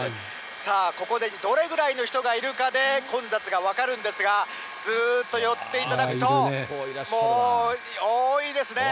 さあ、ここにどれぐらいの人がいるかで、混雑が分かるんですが、ずーっと寄っていただくと、もう多いですね。